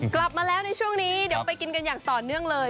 กลับมาแล้วในช่วงนี้เดี๋ยวไปกินกันอย่างต่อเนื่องเลย